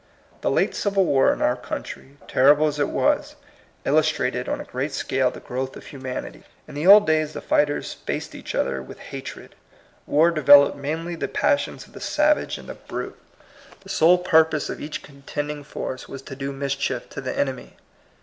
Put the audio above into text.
The late Civil War in our country, terrible as it was, illustrated on a great scale the growth of humanity. In the old days the fighters faced each other with hatred; war developed mainly the passions of the savage and the brute; the 26 THE COMING PEOPLE. sole purpose of each contending force was to do mischief to the enemy.